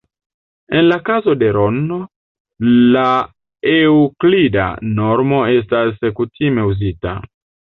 En la kazo de Rn, la Eŭklida normo estas kutime uzita.